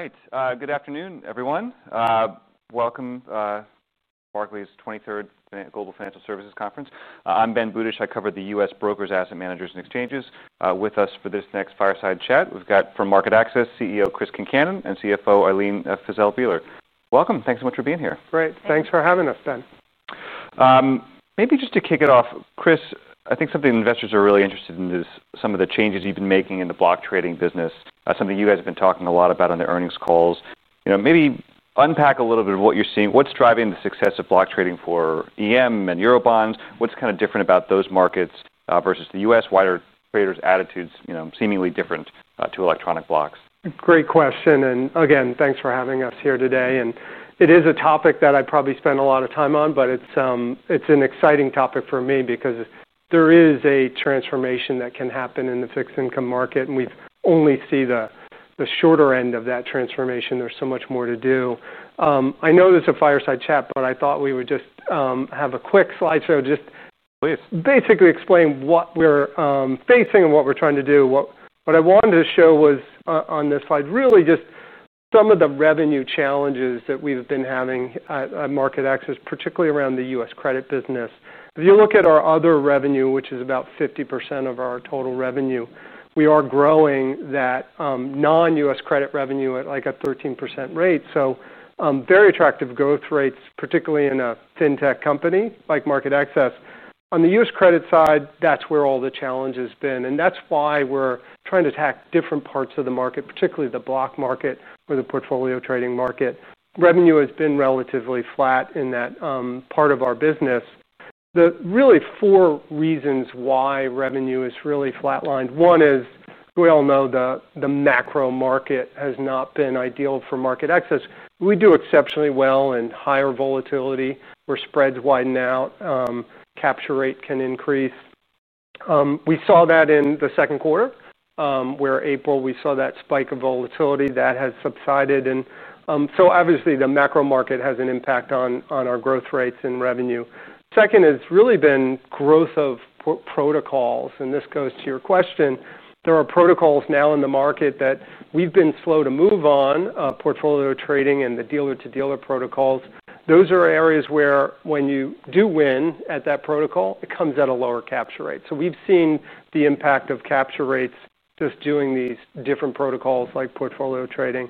All right, good afternoon, everyone. Welcome to Barclays' 23rd Global Financial Services Conference. I'm Ben Budish. I cover the U.S. brokers, asset managers, and exchanges. With us for this next fireside chat, we've got from MarketAxess CEO Chris Concannon and CFO Ilene Fiszel Bieler. Welcome. Thanks so much for being here. Great. Thanks for having us, Ben. Maybe just to kick it off, Chris, I think something investors are really interested in is some of the changes you've been making in the block trading business, something you guys have been talking a lot about on the earnings calls. Maybe unpack a little bit of what you're seeing. What's driving the success of block trading for EM and euro bonds? What's kind of different about those markets versus the US, wider traders' attitudes, seemingly different to electronic blocks? Great question. Again, thanks for having us here today. It is a topic that I probably spend a lot of time on, but it's an exciting topic for me because there is a transformation that can happen in the fixed income market. We only see the shorter end of that transformation. There's so much more to do. I know this is a fireside chat, but I thought we would just have a quick slideshow to basically explain what we're facing and what we're trying to do. What I wanted to show was on this slide, really just some of the revenue challenges that we've been having at MarketAxess, particularly around the U.S. credit business. If you look at our other revenue, which is about 50% of our total revenue, we are growing that non-U.S. credit revenue at like a 13% rate. Very attractive growth rates, particularly in a fintech company like MarketAxess. On the U.S. credit side, that's where all the challenge has been. That's why we're trying to attack different parts of the market, particularly the block market or the portfolio trading market. Revenue has been relatively flat in that part of our business. There are really four reasons why revenue is really flatlined. One is, we all know, the macro market has not been ideal for MarketAxess. We do exceptionally well in higher volatility where spreads widen out, capture rate can increase. We saw that in the second quarter, where in April we saw that spike of volatility that has subsided. Obviously, the macro market has an impact on our growth rates and revenue. Second, it's really been growth of protocols. This goes to your question. There are protocols now in the market that we've been slow to move on, portfolio trading and the dealer-to-dealer protocols. Those are areas where when you do win at that protocol, it comes at a lower capture rate. We've seen the impact of capture rates just doing these different protocols like portfolio trading.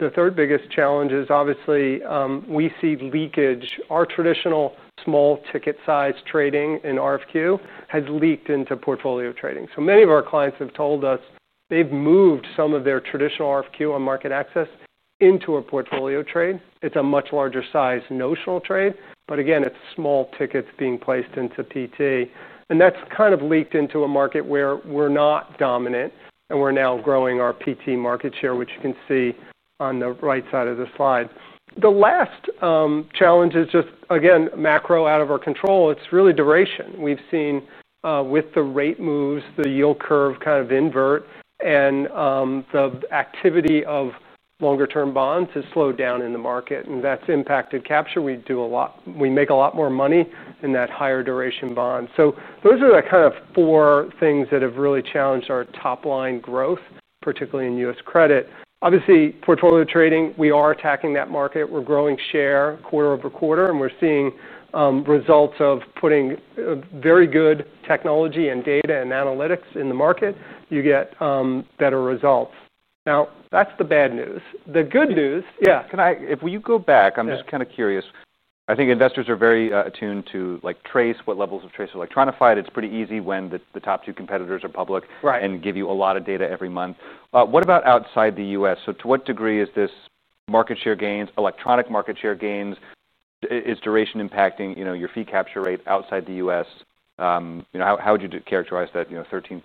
The third biggest challenge is obviously we see leakage. Our traditional small ticket size trading in RFQ has leaked into portfolio trading. Many of our clients have told us they've moved some of their traditional RFQ on MarketAxess into a portfolio trade. It's a much larger size notional trade. Again, it's small tickets being placed into PT. That's kind of leaked into a market where we're not dominant. We're now growing our PT market share, which you can see on the right side of the slide. The last challenge is just, again, macro out of our control. It's really duration. We've seen with the rate moves, the yield curve kind of invert, and the activity of longer-term bonds has slowed down in the market. That's impacted capture. We do a lot, we make a lot more money in that higher duration bond. Those are the kind of four things that have really challenged our top line growth, particularly in U.S. credit. Obviously, portfolio trading, we are attacking that market. We're growing share quarter over quarter, and we're seeing results of putting very good technology and data and analytics in the market. You get better results. Now, that's the bad news. The good news, yeah. If we go back, I'm just kind of curious. I think investors are very attuned to like TRACE, what levels of TRACE are electrified. It's pretty easy when the top two competitors are public and give you a lot of data every month. What about outside the U.S.? To what degree is this market share gains, electronic market share gains, is duration impacting your fee capture rate outside the U.S.? How would you characterize that 13%?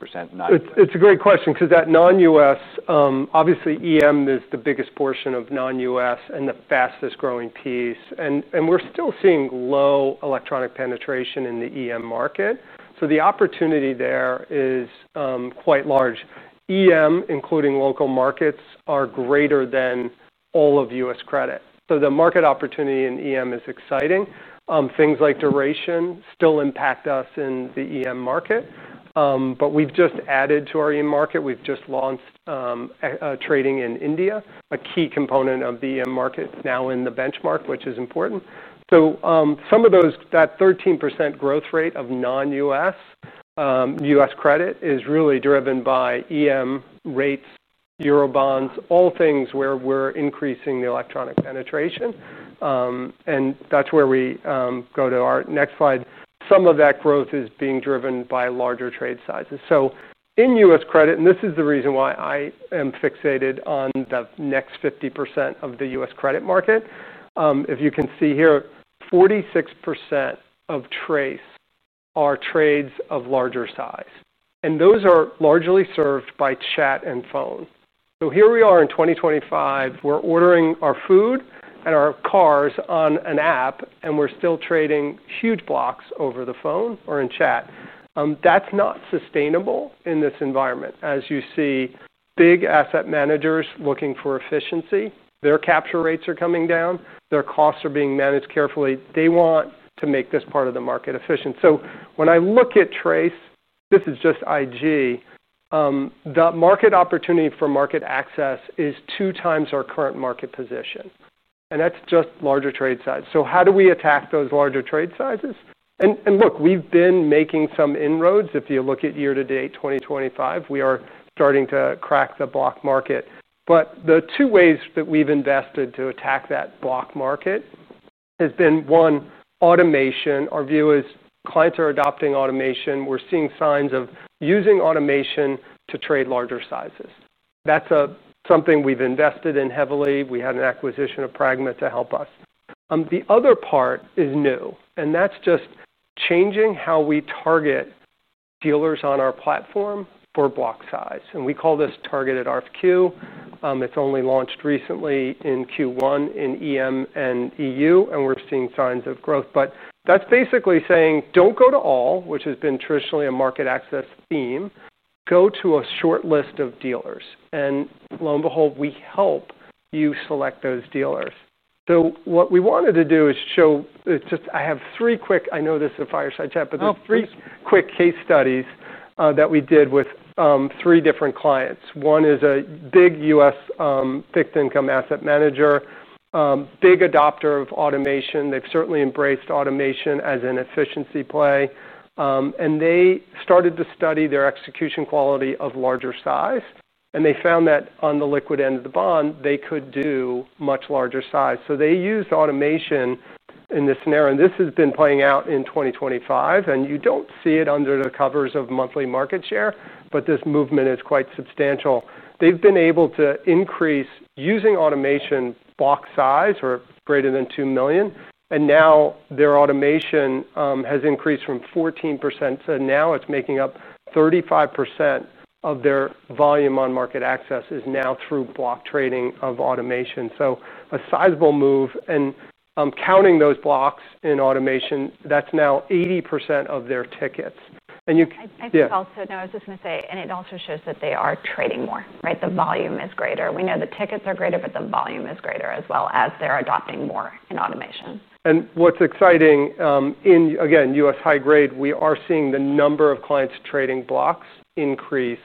It's a great question because that non-U.S., obviously, EM is the biggest portion of non-U.S. and the fastest growing piece. We're still seeing low electronic penetration in the EM market, so the opportunity there is quite large. EM, including local markets, are greater than all of U.S. credit. The market opportunity in EM is exciting. Things like duration still impact us in the EM market. We've just added to our EM market. We've just launched trading in India, a key component of the EM market now in the benchmark, which is important. That 13% growth rate of non-U.S. U.S. credit is really driven by EM rates, euro bonds, all things where we're increasing the electronic penetration. That's where we go to our next slide. Some of that growth is being driven by larger trade sizes. In U.S. credit, and this is the reason why I am fixated on the next 50% of the U.S. credit market. If you can see here, 46% of TRACE are trades of larger size, and those are largely served by chat and phone. Here we are in 2025. We're ordering our food and our cars on an app, and we're still trading huge blocks over the phone or in chat. That's not sustainable in this environment. As you see, big asset managers looking for efficiency, their capture rates are coming down, their costs are being managed carefully. They want to make this part of the market efficient. When I look at TRACE, this is just IG, the market opportunity for MarketAxess is two times our current market positions, and that's just larger trade size. How do we attack those larger trade sizes? We've been making some inroads. If you look at year to date, 2025, we are starting to crack the block market. The two ways that we've invested to attack that block market has been, one, automation. Our view is clients are adopting automation. We're seeing signs of using automation to trade larger sizes. That's something we've invested in heavily. We had an acquisition of Pragma to help us. The other part is new, and that's just changing how we target dealers on our platform for block size. We call this targeted RFQ. It's only launched recently in Q1 in EM and EU, and we're seeing signs of growth. That's basically saying, don't go to all, which has been traditionally a MarketAxess theme. Go to a short list of dealers, and lo and behold, we help you select those dealers. What we wanted to do is show, I have three quick, I know this is a fireside chat, but there's three quick case studies that we did with three different clients. One is a big U.S. fixed income asset manager, big adopter of automation. They've certainly embraced automation as an efficiency play. They started to study their execution quality of larger size, and they found that on the liquid end of the bond, they could do much larger size. They used automation in this scenario. This has been playing out in 2025. You don't see it under the covers of monthly market share, but this movement is quite substantial. They've been able to increase using automation block size or greater than $2 million. Now their automation has increased from 14%. Now it's making up 35% of their volume on MarketAxess is now through block trading of automation. A sizable move. Counting those blocks in automation, that's now 80% of their tickets. I was just going to say it also shows that they are trading more. The volume is greater. We know the tickets are greater, but the volume is greater as well as they're adopting more in automation. What's exciting in, again, U.S. high grade, we are seeing the number of clients trading blocks increase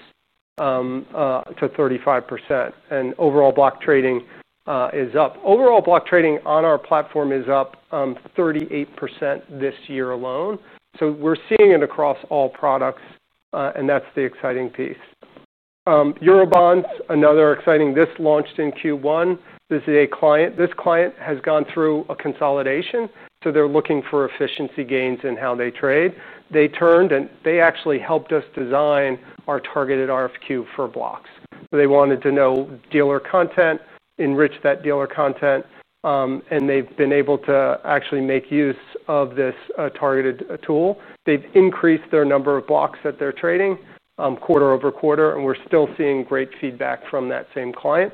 to 35%. Overall block trading is up. Overall block trading on our platform is up 38% this year alone. We are seeing it across all products, and that's the exciting piece. Euro bonds, another exciting, this launched in Q1. This is a client. This client has gone through a consolidation. They are looking for efficiency gains in how they trade. They turned and they actually helped us design our targeted RFQ for blocks. They wanted to know dealer content, enrich that dealer content, and they've been able to actually make use of this targeted tool. They've increased their number of blocks that they're trading quarter over quarter, and we're still seeing great feedback from that same client.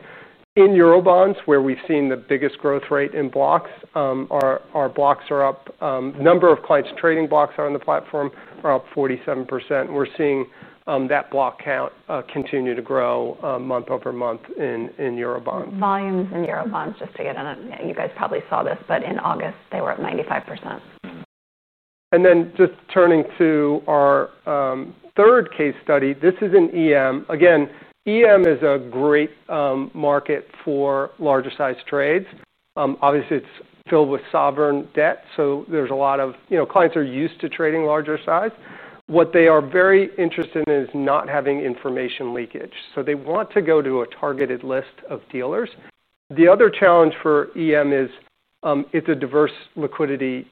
In euro bonds, where we've seen the biggest growth rate in blocks, our blocks are up. The number of clients trading blocks on the platform are up 47%. We are seeing that block count continue to grow month over month in euro bonds. Volumes in euro bonds, just to get on it, you guys probably saw this, but in August, they were at 95%. Turning to our third case study, this is in EM. EM is a great market for larger size trades. Obviously, it's filled with sovereign debt. Clients are used to trading larger size. What they are very interested in is not having information leakage. They want to go to a targeted list of dealers. The other challenge for EM is it's a diverse liquidity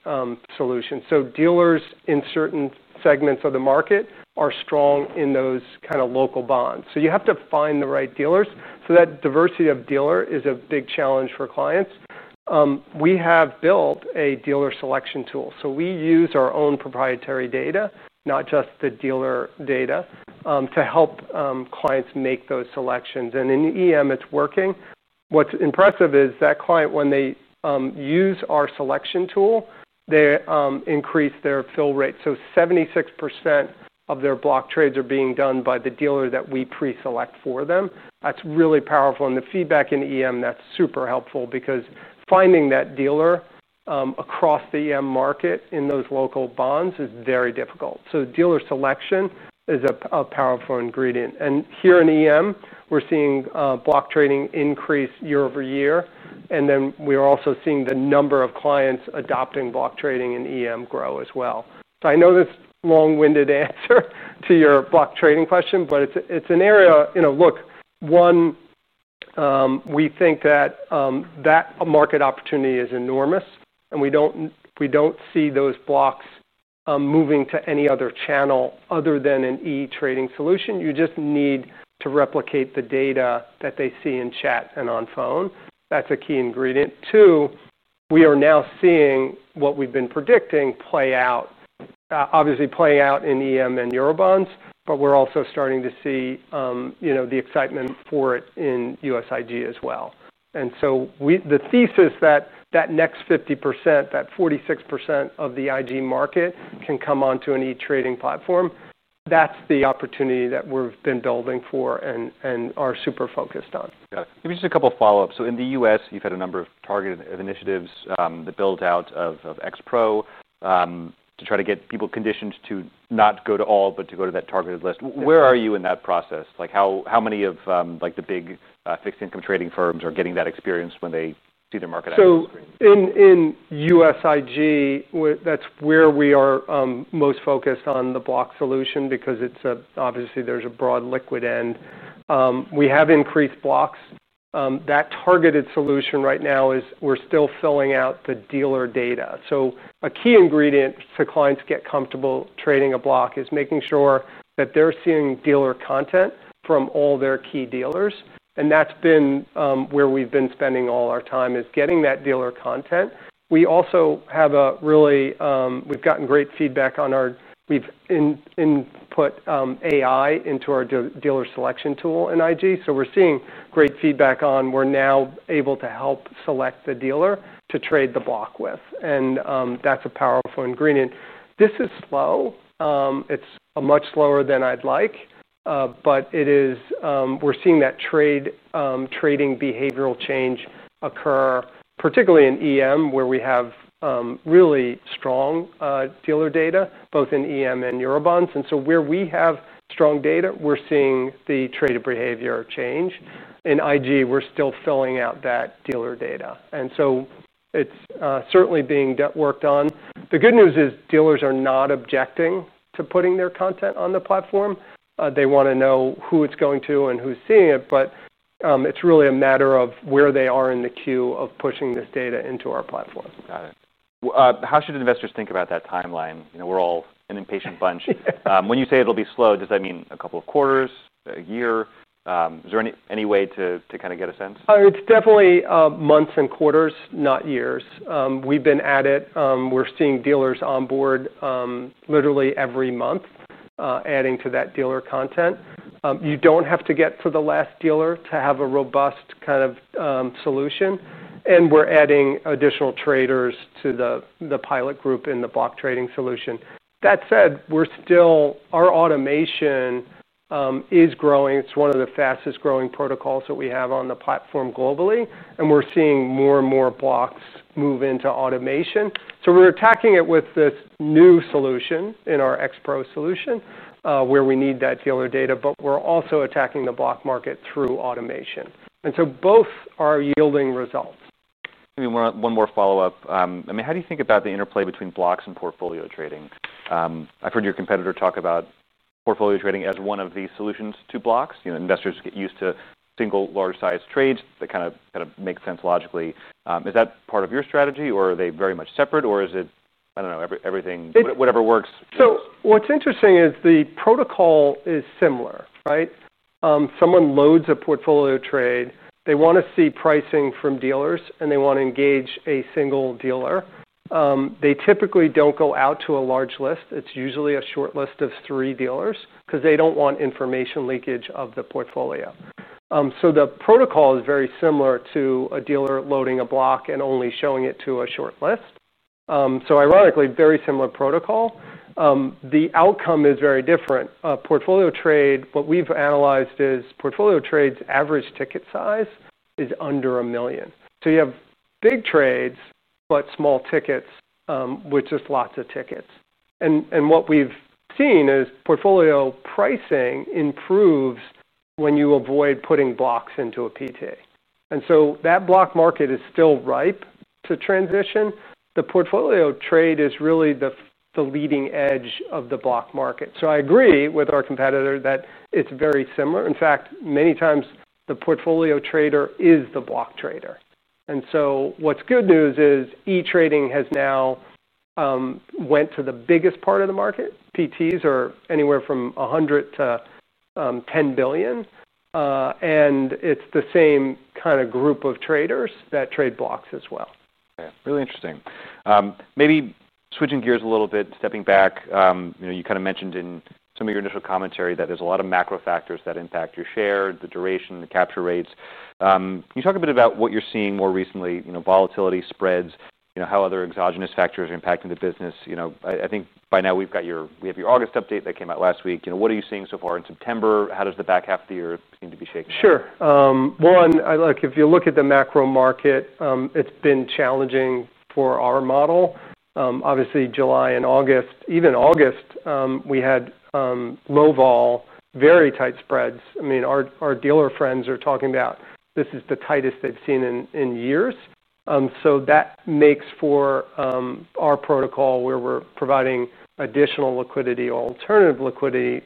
solution. Dealers in certain segments of the market are strong in those kind of local bonds. You have to find the right dealers. That diversity of dealer is a big challenge for clients. We have built a dealer selection tool. We use our own proprietary data, not just the dealer data, to help clients make those selections. In EM, it's working. What's impressive is that client, when they use our selection tool, they increase their fill rate. 76% of their block trades are being done by the dealer that we pre-select for them. That's really powerful. The feedback in EM, that's super helpful because finding that dealer across the EM market in those local bonds is very difficult. Dealer selection is a powerful ingredient. Here in EM, we're seeing block trading increase year over year. We are also seeing the number of clients adopting block trading in EM grow as well. I know this is a long-winded answer to your block trading question, but it's an area, you know, look, one, we think that that market opportunity is enormous. We don't see those blocks moving to any other channel other than an e-trading solution. You just need to replicate the data that they see in chat and on phone. That's a key ingredient. Two, we are now seeing what we've been predicting play out, obviously playing out in EM and euro bonds. We're also starting to see the excitement for it in US IG as well. The thesis that that next 50%, that 46% of the IG market can come onto an e-trading platform, that's the opportunity that we've been building for and are super focused on. Maybe just a couple of follow-ups. In the US, you've had a number of targeted initiatives that build out of XPRO to try to get people conditioned to not go to all, but to go to that targeted list. Where are you in that process? How many of the big fixed income trading firms are getting that experience when they see their MarketAxess screen? In US IG, that's where we are most focused on the block solution because obviously there's a broad liquid end. We have increased blocks. That targeted solution right now is we're still filling out the dealer data. A key ingredient to clients getting comfortable trading a block is making sure that they're seeing dealer content from all their key dealers. That's been where we've been spending all our time, getting that dealer content. We also have a really, we've gotten great feedback on our, we've put AI into our dealer selection tool in IG. We're seeing great feedback on we're now able to help select the dealer to trade the block with, and that's a powerful ingredient. This is slow. It's much slower than I'd like, but we're seeing that trading behavioral change occur, particularly in EM where we have really strong dealer data, both in EM and euro bonds. Where we have strong data, we're seeing the trade behavior change. In IG, we're still filling out that dealer data, so it's certainly being worked on. The good news is dealers are not objecting to putting their content on the platform. They want to know who it's going to and who's seeing it. It's really a matter of where they are in the queue of pushing this data into our platforms. Got it. How should investors think about that timeline? You know, we're all an impatient bunch. When you say it'll be slow, does that mean a couple of quarters, a year? Is there any way to kind of get a sense? It's definitely months and quarters, not years. We've been at it. We're seeing dealers on board literally every month, adding to that dealer content. You don't have to get to the last dealer to have a robust kind of solution. We're adding additional traders to the pilot group in the block trading solution. That said, our automation is growing. It's one of the fastest growing protocols that we have on the platform globally. We're seeing more and more blocks move into automation. We're attacking it with this new solution in our XPRO solution where we need that dealer data. We're also attacking the block market through automation. Both are yielding results. Maybe one more follow-up. I mean, how do you think about the interplay between blocks and portfolio trading? I've heard your competitor talk about portfolio trading as one of the solutions to blocks. Investors get used to single large size trades. That kind of makes sense logically. Is that part of your strategy, or are they very much separate, or is it, I don't know, everything, whatever works? What's interesting is the protocol is similar, right? Someone loads a portfolio trade. They want to see pricing from dealers and they want to engage a single dealer. They typically don't go out to a large list. It's usually a short list of three dealers because they don't want information leakage of the portfolio. The protocol is very similar to a dealer loading a block and only showing it to a short list. Ironically, very similar protocol. The outcome is very different. Portfolio trade, what we've analyzed is portfolio trades average ticket size is under $1 million. You have big trades, but small tickets with just lots of tickets. What we've seen is portfolio pricing improves when you avoid putting blocks into a PT. That block market is still ripe to transition. The portfolio trade is really the leading edge of the block market. I agree with our competitor that it's very similar. In fact, many times the portfolio trader is the block trader. What's good news is e-trading has now went to the biggest part of the market. PTs are anywhere from $100 million to $10 billion. It's the same kind of group of traders that trade blocks as well. Yeah, really interesting. Maybe switching gears a little bit, stepping back. You kind of mentioned in some of your initial commentary that there's a lot of macro factors that impact your share, the duration, the capture rates. Can you talk a bit about what you're seeing more recently, volatility spreads, how other exogenous factors are impacting the business? I think by now we've got your August update that came out last week. What are you seeing so far in September? How does the back half of the year seem to be shaping? Sure. If you look at the macro market, it's been challenging for our model. Obviously, July and August, even August, we had low vol, very tight spreads. Our dealer friends are talking about this is the tightest they've seen in years. That makes for our protocol where we're providing additional liquidity or alternative liquidity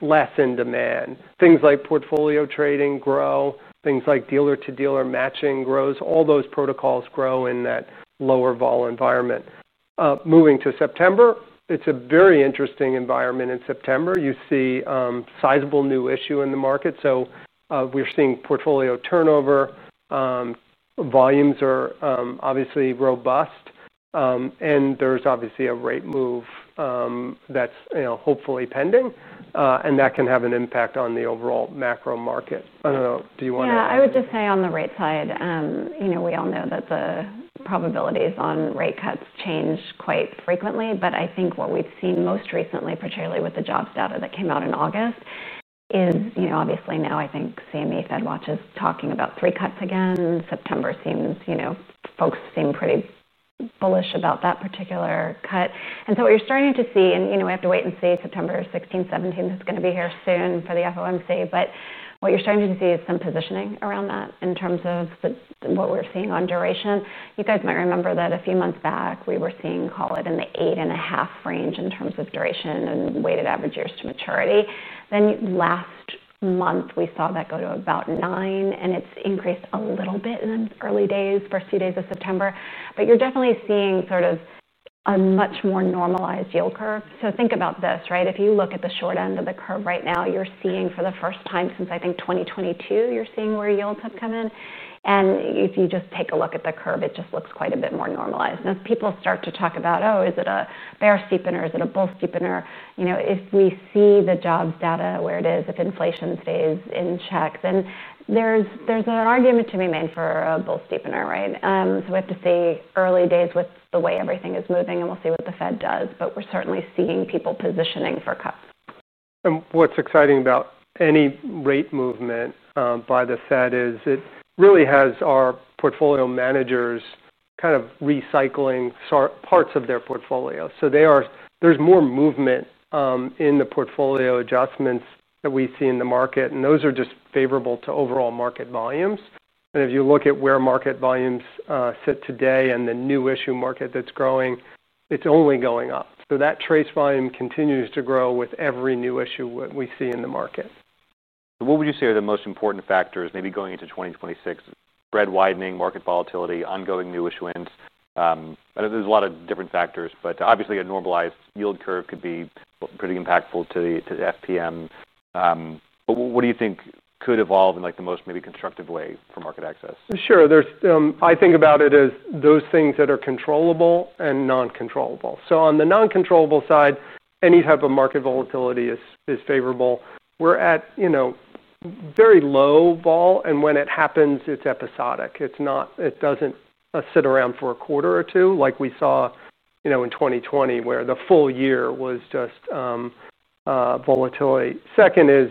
less in demand. Things like portfolio trading grow, things like dealer-to-dealer matching grows. All those protocols grow in that lower vol environment. Moving to September, it's a very interesting environment in September. You see sizable new issue in the market. We're seeing portfolio turnover. Volumes are obviously robust. There's obviously a rate move that's hopefully pending. That can have an impact on the overall macro market. I don't know. Do you want to? Yeah, I would just say on the rate side, we all know that the probabilities on rate cuts change quite frequently. I think what we've seen most recently, particularly with the jobs data that came out in August, is obviously now I think seeing the Fed watches talking about three cuts again. September seems, you know, folks seem pretty bullish about that particular cut. What you're starting to see, and we have to wait and see September 16th, 17th, it's going to be here soon for the FOMC. What you're starting to see is some positioning around that in terms of what we're seeing on duration. You guys might remember that a few months back we were seeing, call it in the 8.5 range in terms of duration and weighted average years to maturity. Then last month we saw that go to about 9, and it's increased a little bit in the early days, first few days of September. You're definitely seeing sort of a much more normalized yield curve. Think about this, right? If you look at the short end of the curve right now, you're seeing for the first time since I think 2022, you're seeing where yields have come in. If you just take a look at the curve, it just looks quite a bit more normalized. As people start to talk about, oh, is it a bear steepener? Is it a bull steepener? If we see the jobs data where it is, if inflation stays in check, then there's an argument to be made for a bull steepener, right? We have to see early days with the way everything is moving, and we'll see what the Fed does. We're certainly seeing people positioning for cuts. What's exciting about any rate movement by the Fed is it really has our portfolio managers kind of recycling parts of their portfolio. There is more movement in the portfolio adjustments that we see in the market, which are just favorable to overall market volumes. If you look at where market volumes sit today and the new issue market that's growing, it's only going up. That TRACE volume continues to grow with every new issue we see in the market. What would you say are the most important factors maybe going into 2026? Spread widening, market volatility, ongoing new issuance. I know there's a lot of different factors, obviously a normalized yield curve could be pretty impactful to the FPM. What do you think could evolve in the most maybe constructive way for MarketAxess? Sure. I think about it as those things that are controllable and non-controllable. On the non-controllable side, any type of market volatility is favorable. We're at very low vol, and when it happens, it's episodic. It doesn't sit around for a quarter or two like we saw in 2020 where the full year was just volatility. Second is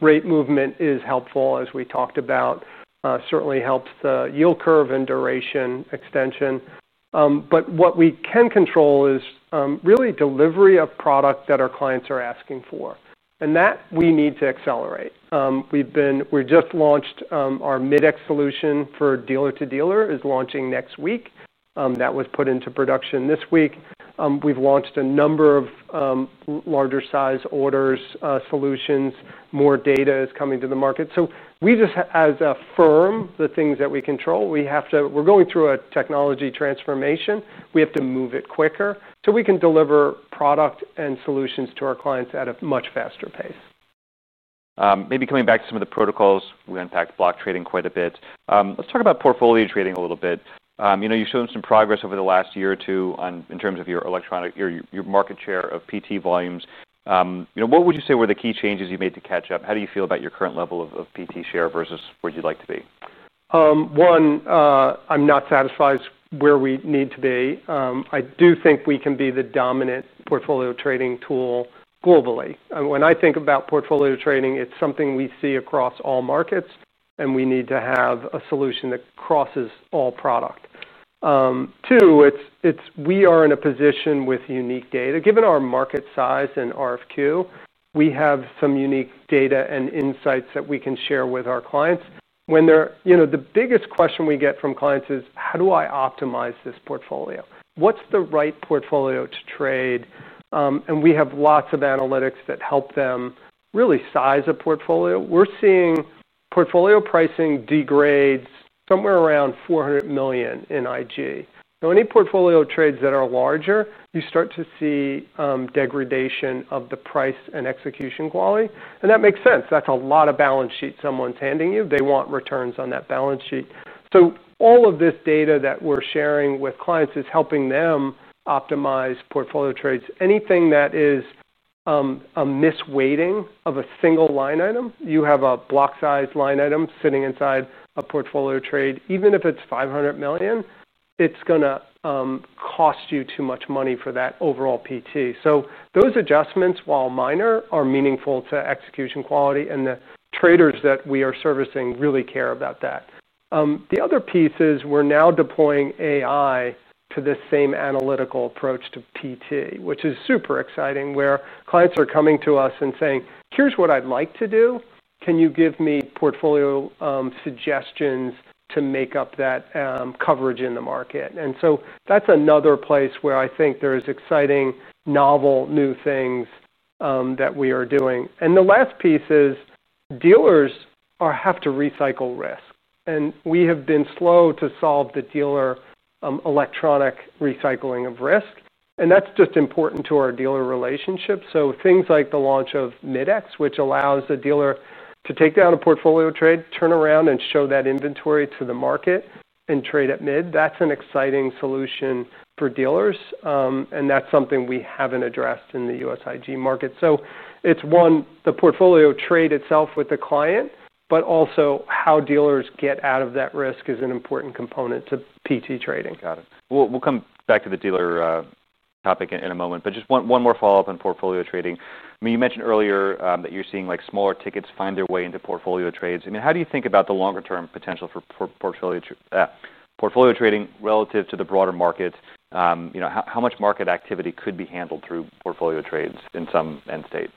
rate movement is helpful, as we talked about. It certainly helps the yield curve and duration extension. What we can control is really delivery of product that our clients are asking for, and that we need to accelerate. We've just launched our Midex solution for dealer-to-dealer, which is launching next week. That was put into production this week. We've launched a number of larger size orders solutions. More data is coming to the market. As a firm, the things that we control, we have to move quicker so we can deliver product and solutions to our clients at a much faster pace. Maybe coming back to some of the protocols, we unpacked block trading quite a bit. Let's talk about portfolio trading a little bit. You've shown some progress over the last year or two in terms of your electronic, your market share of PT volumes. What would you say were the key changes you made to catch up? How do you feel about your current level of PT share versus where you'd like to be? One, I'm not satisfied where we need to be. I do think we can be the dominant portfolio trading tool globally. When I think about portfolio trading, it's something we see across all markets, and we need to have a solution that crosses all product. Two, we are in a position with unique data. Given our market size and RFQ solutions, we have some unique data and insights that we can share with our clients. The biggest question we get from clients is, how do I optimize this portfolio? What's the right portfolio to trade? We have lots of analytics that help them really size a portfolio. We're seeing portfolio pricing degrades somewhere around $400 million in IG. Any portfolio trades that are larger, you start to see degradation of the price and execution quality. That makes sense. That's a lot of balance sheet someone's handing you. They want returns on that balance sheet. All of this data that we're sharing with clients is helping them optimize portfolio trades. Anything that is a misweighting of a single line item, you have a block size line item sitting inside a portfolio trade. Even if it's $500 million, it's going to cost you too much money for that overall PT. Those adjustments, while minor, are meaningful to execution quality, and the traders that we are servicing really care about that. The other piece is we're now deploying AI to this same analytical approach to PT, which is super exciting, where clients are coming to us and saying, here's what I'd like to do. Can you give me portfolio suggestions to make up that coverage in the market? That's another place where I think there is exciting novel new things that we are doing. The last piece is dealers have to recycle risk. We have been slow to solve the dealer electronic recycling of risk, and that's just important to our dealer relationship. Things like the launch of Midex, which allows a dealer to take down a portfolio trade, turn around and show that inventory to the market and trade at mid, that's an exciting solution for dealers. That's something we haven't addressed in the U.S. IG market. It's one, the portfolio trade itself with the client, but also how dealers get out of that risk is an important component to PT trading. Got it. We'll come back to the dealer topic in a moment. Just one more follow-up on portfolio trading. You mentioned earlier that you're seeing like smaller tickets find their way into portfolio trades. How do you think about the longer-term potential for portfolio trading relative to the broader market? How much market activity could be handled through portfolio trades in some end states?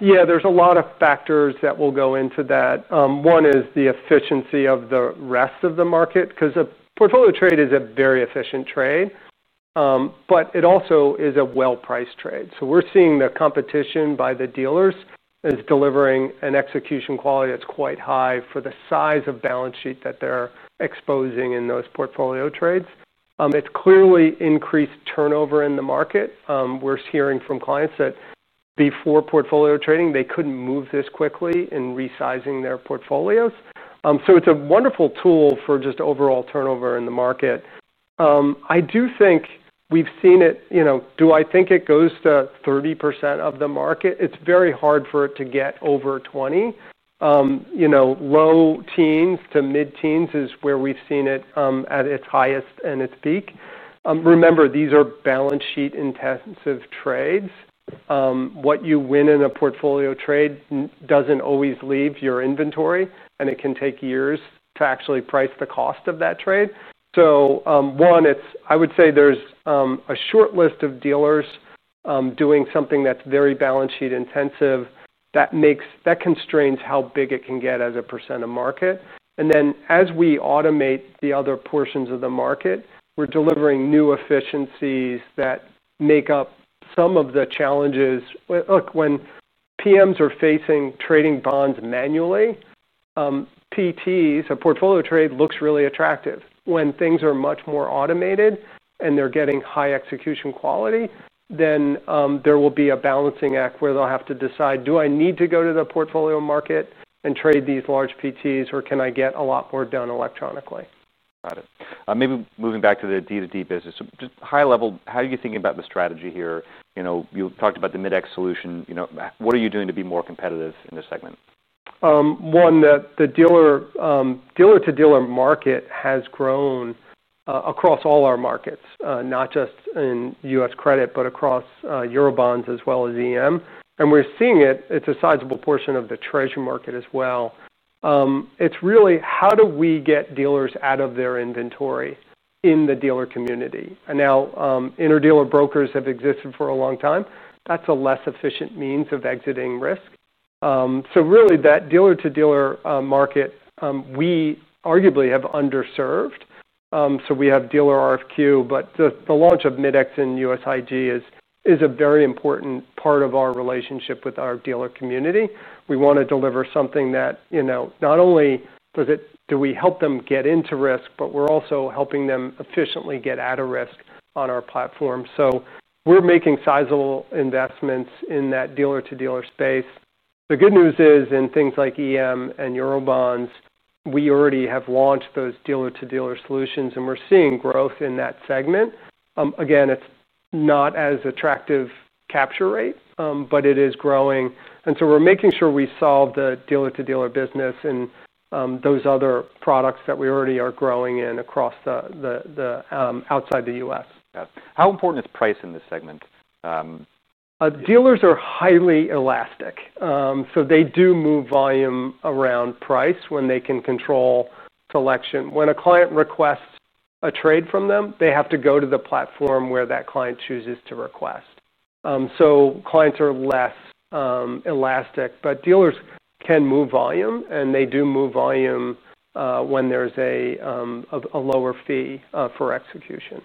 Yeah, there's a lot of factors that will go into that. One is the efficiency of the rest of the market because a portfolio trade is a very efficient trade. It also is a well-priced trade. We're seeing the competition by the dealers is delivering an execution quality that's quite high for the size of balance sheet that they're exposing in those portfolio trades. It's clearly increased turnover in the market. We're hearing from clients that before portfolio trading, they couldn't move this quickly in resizing their portfolios. It's a wonderful tool for just overall turnover in the market. I do think we've seen it. Do I think it goes to 30% of the market? It's very hard for it to get over 20%. Low teens to mid-teens is where we've seen it at its highest and its peak. Remember, these are balance sheet intensive trades. What you win in a portfolio trade doesn't always leave your inventory. It can take years to actually price the cost of that trade. One, I would say there's a short list of dealers doing something that's very balance sheet intensive. That constrains how big it can get as a percent of market. As we automate the other portions of the market, we're delivering new efficiencies that make up some of the challenges. Look, when PMs are facing trading bonds manually, PTs, a portfolio trade, looks really attractive. When things are much more automated and they're getting high execution quality, there will be a balancing act where they'll have to decide, do I need to go to the portfolio market and trade these large PTs or can I get a lot more done electronically? Got it. Maybe moving back to the dealer-to-dealer business. Just high level, how are you thinking about the strategy here? You talked about the Midex solution. What are you doing to be more competitive in this segment? One that the dealer-to-dealer market has grown across all our markets, not just in U.S. credit, but across euro bonds as well as EM. We're seeing it. It's a sizable portion of the treasury market as well. It's really, how do we get dealers out of their inventory in the dealer community? Inter-dealer brokers have existed for a long time. That's a less efficient means of exiting risk. That dealer-to-dealer market, we arguably have underserved. We have dealer RFQ, but the launch of Midex in U.S. IG is a very important part of our relationship with our dealer community. We want to deliver something that, you know, not only do we help them get into risk, but we're also helping them efficiently get out of risk on our platform. We're making sizable investments in that dealer-to-dealer space. The good news is in things like EM and euro bonds, we already have launched those dealer-to-dealer solutions. We're seeing growth in that segment. It's not as attractive capture rates, but it is growing. We're making sure we solve the dealer-to-dealer business and those other products that we already are growing in across the outside the U.S. How important is price in this segment? Dealers are highly elastic. They do move volume around price when they can control selection. When a client requests a trade from them, they have to go to the platform where that client chooses to request. Clients are less elastic, but dealers can move volume, and they do move volume when there's a lower fee for execution.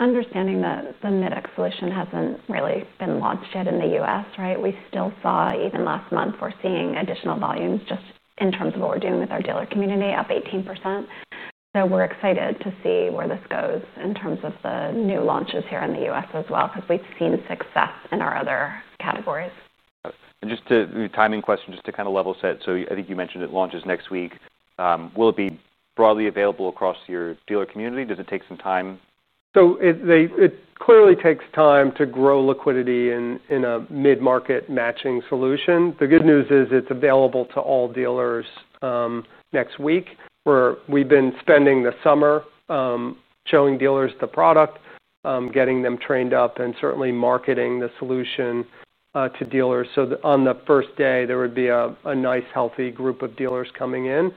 Understanding that the Midex solution hasn't really been launched yet in the U.S., right? We still saw even last month, we're seeing additional volumes just in terms of what we're doing with our dealer community, up 18%. We are excited to see where this goes in terms of the new launches here in the U.S. as well because we've seen success in our other categories. Just a timing question, just to kind of level set. I think you mentioned it launches next week. Will it be broadly available across your dealer community? Does it take some time? It clearly takes time to grow liquidity in a mid-market matching solution. The good news is it's available to all dealers next week. We've been spending the summer showing dealers the product, getting them trained up, and certainly marketing the solution to dealers. On the first day, there would be a nice, healthy group of dealers coming in.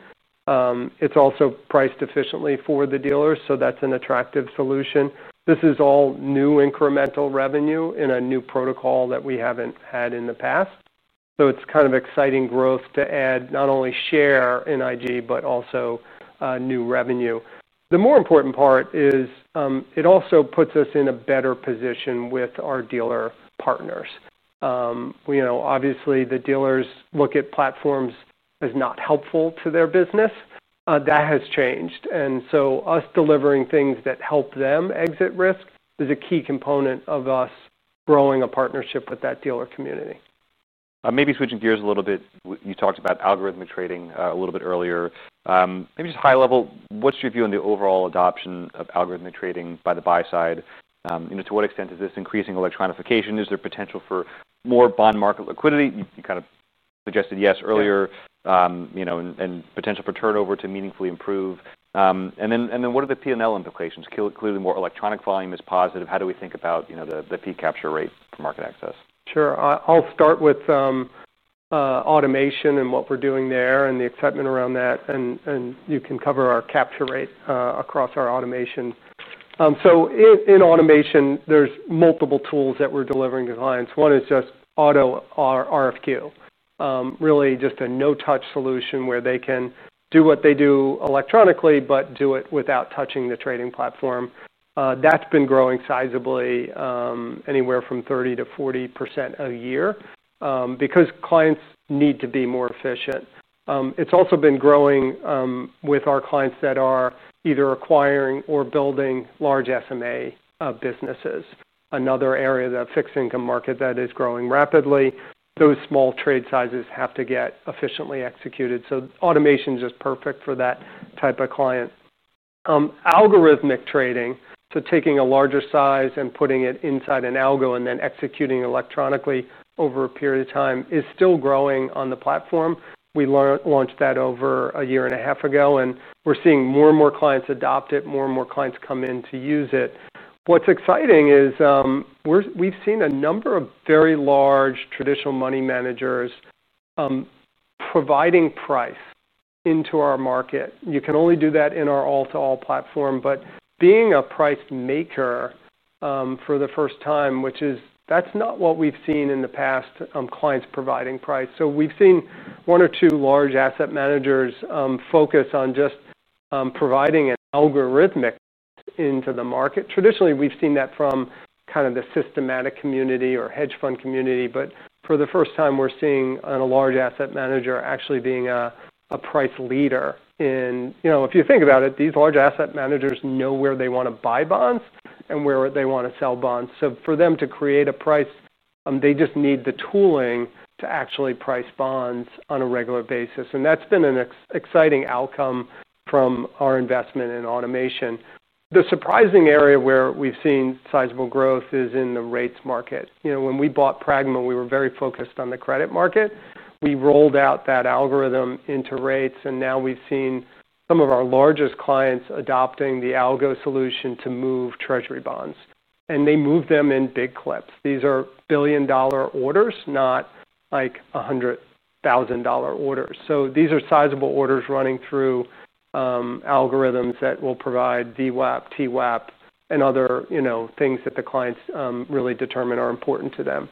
It's also priced efficiently for the dealers, so that's an attractive solution. This is all new incremental revenue in a new protocol that we haven't had in the past. It's kind of exciting growth to add not only share in IG, but also new revenue. The more important part is it also puts us in a better position with our dealer partners. Obviously, the dealers look at platforms as not helpful to their business. That has changed. Us delivering things that help them exit risk is a key component of us growing a partnership with that dealer community. Maybe switching gears a little bit, you talked about algorithmic trading a little bit earlier. Maybe just high level, what's your view on the overall adoption of algorithmic trading by the buy side? To what extent is this increasing electronification? Is there potential for more bond market liquidity? You kind of suggested yes earlier, you know, and potential for turnover to meaningfully improve. What are the P&L implications? Clearly, more electronic volume is positive. How do we think about the fee capture rate for MarketAxess? Sure. I'll start with automation and what we're doing there and the excitement around that. You can cover our capture rate across our automation. In automation, there's multiple tools that we're delivering to clients. One is just auto RFQ, really just a no-touch solution where they can do what they do electronically, but do it without touching the trading platform. That's been growing sizably anywhere from 30% to 40% a year because clients need to be more efficient. It's also been growing with our clients that are either acquiring or building large SMA businesses. Another area of the fixed income market that is growing rapidly, those small trade sizes have to get efficiently executed. Automation is just perfect for that type of client. Algorithmic trading, taking a larger size and putting it inside an algo and then executing electronically over a period of time, is still growing on the platform. We launched that over a year and a half ago. We're seeing more and more clients adopt it. More and more clients come in to use it. What's exciting is we've seen a number of very large traditional money managers providing price into our market. You can only do that in our all-to-all platform. Being a price maker for the first time, which is not what we've seen in the past, clients providing price. We've seen one or two large asset managers focus on just providing an algorithmic into the market. Traditionally, we've seen that from kind of the systematic community or hedge fund community. For the first time, we're seeing a large asset manager actually being a price leader. If you think about it, these large asset managers know where they want to buy bonds and where they want to sell bonds. For them to create a price, they just need the tooling to actually price bonds on a regular basis. That's been an exciting outcome from our investment in automation. The surprising area where we've seen sizable growth is in the rates market. When we bought Pragma, we were very focused on the credit market. We rolled out that algorithm into rates. Now we've seen some of our largest clients adopting the algo solution to move treasury bonds. They move them in big clips. These are billion-dollar orders, not like $100,000 orders. These are sizable orders running through algorithms that will provide DWAP, TWAP, and other things that the clients really determine are important to them.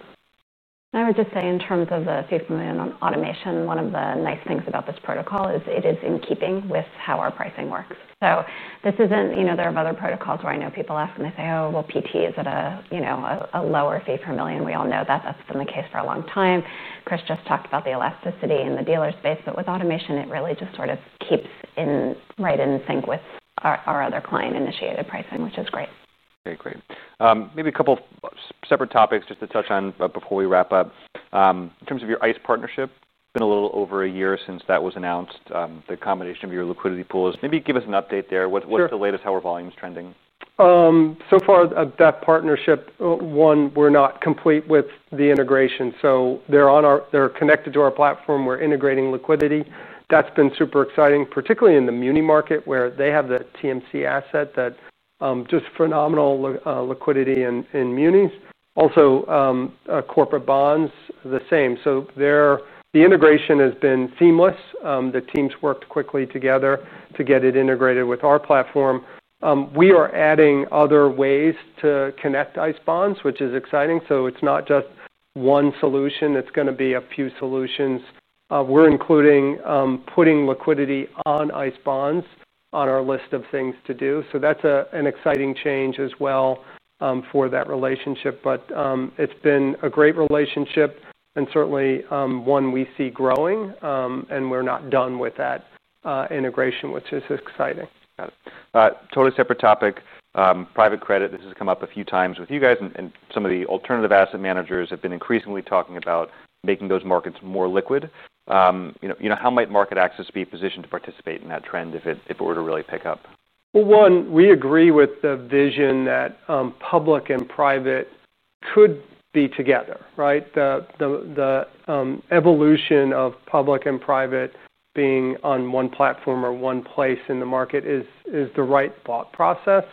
I would just say in terms of the fee per million on automation, one of the nice things about this protocol is it is in keeping with how our pricing works. This isn't, you know, there are other protocols where I know people ask and they say, oh, well, PT is at a, you know, a lower fee per million. We all know that that's been the case for a long time. Chris just talked about the elasticity in the dealer space. With automation, it really just sort of keeps in right in sync with our other client-initiated pricing, which is great. Okay, great. Maybe a couple of separate topics just to touch on before we wrap up. In terms of your ICE partnership, it's been a little over a year since that was announced. The combination of your liquidity pools, maybe give us an update there. What's the latest, how are volumes trending? That partnership, one, we're not complete with the integration. They're connected to our platform. We're integrating liquidity. That's been super exciting, particularly in the muni market where they have the TMC asset that has just phenomenal liquidity in munis. Also, corporate bonds, the same. The integration has been seamless. The teams worked quickly together to get it integrated with our platform. We are adding other ways to connect ICE Bonds, which is exciting. It's not just one solution. It's going to be a few solutions. We're including putting liquidity on ICE Bonds on our list of things to do. That's an exciting change as well for that relationship. It's been a great relationship and certainly one we see growing. We're not done with that integration, which is exciting. Got it. Totally separate topic, private credit. This has come up a few times with you guys. Some of the alternative asset managers have been increasingly talking about making those markets more liquid. How might MarketAxess be positioned to participate in that trend if it were to really pick up? We agree with the vision that public and private could be together, right? The evolution of public and private being on one platform or one place in the market is the right thought process.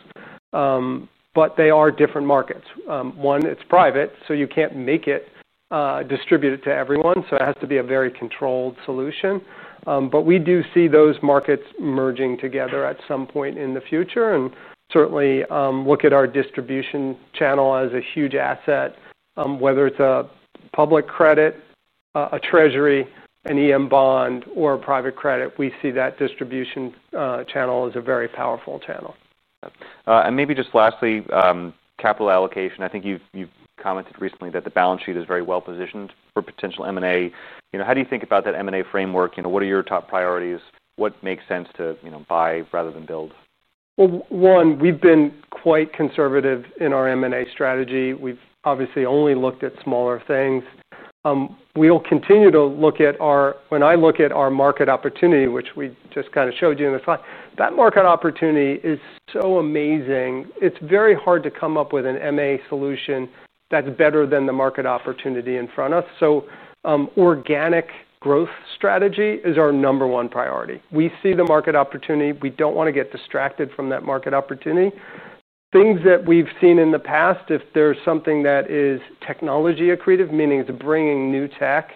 They are different markets. One, it's private, so you can't make it distribute it to everyone. It has to be a very controlled solution. We do see those markets merging together at some point in the future. We certainly look at our distribution channel as a huge asset. Whether it's a public credit, a treasury, an EM bond, or a private credit, we see that distribution channel as a very powerful channel. Maybe just lastly, capital allocation. I think you've commented recently that the balance sheet is very well positioned for potential M&A. How do you think about that M&A framework? What are your top priorities? What makes sense to buy rather than build? We've been quite conservative in our M&A strategy. We've obviously only looked at smaller things. We'll continue to look at our, when I look at our market opportunity, which we just kind of showed you in the slide, that market opportunity is so amazing. It's very hard to come up with an M&A solution that's better than the market opportunity in front of us. Organic growth strategy is our number one priority. We see the market opportunity. We don't want to get distracted from that market opportunity. Things that we've seen in the past, if there's something that is technology accretive, meaning it's bringing new tech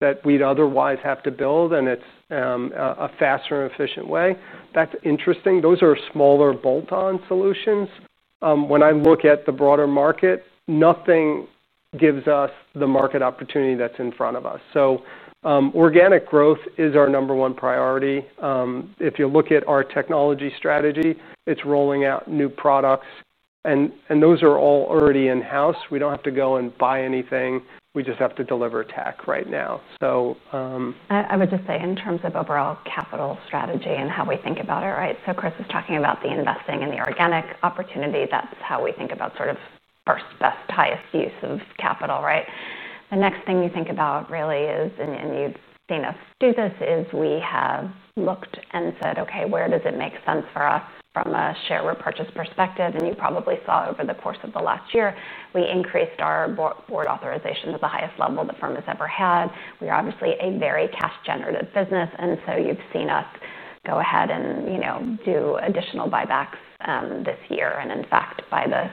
that we'd otherwise have to build and it's a faster and efficient way, that's interesting. Those are smaller bolt-on solutions. When I look at the broader market, nothing gives us the market opportunity that's in front of us. Organic growth is our number one priority. If you look at our technology strategy, it's rolling out new products. Those are all already in-house. We don't have to go and buy anything. We just have to deliver tech right now. I would just say in terms of overall capital strategy and how we think about it, right? Chris was talking about the investing and the organic opportunity. That's how we think about sort of our best, highest use of capital, right? The next thing you think about really is, and you've seen us do this, we have looked and said, OK, where does it make sense for us from a share repurchase perspective? You probably saw over the course of the last year, we increased our board authorization to the highest level the firm has ever had. We are obviously a very cash-generative business. You've seen us go ahead and do additional buybacks this year. In fact, by the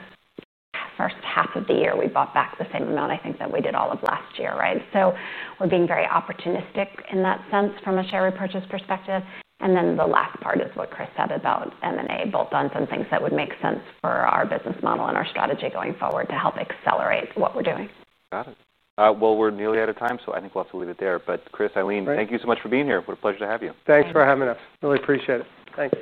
first half of the year, we bought back the same amount, I think, that we did all of last year, right? We're being very opportunistic in that sense from a share repurchase perspective. The last part is what Chris said about bolt-on M&A and things that would make sense for our business model and our strategy going forward to help accelerate what we're doing. Got it. We're nearly out of time. I think we'll have to leave it there. Chris, Ilene, thank you so much for being here. What a pleasure to have you. Thanks for having us. Really appreciate it. Thanks.